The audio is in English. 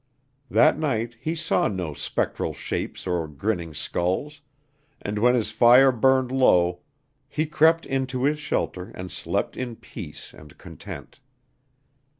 That night he saw no spectral shapes or grinning skulls, and when his fire burned low he crept into his shelter and slept in peace and content.